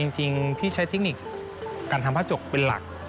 จริงพี่ใช้เทคนิคการทำผ้าจกเป็นหลัก